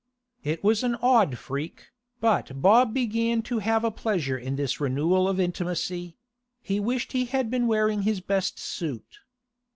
It was an odd freak, but Bob began to have a pleasure in this renewal of intimacy; he wished he had been wearing his best suit.